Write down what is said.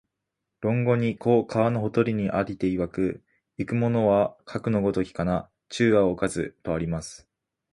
論語に、「子、川のほとりに在りていわく、逝く者はかくの如きかな、昼夜をおかず」とあります